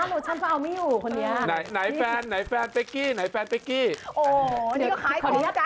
ตอนแรกเขาไม่เข้าได้ออกเลย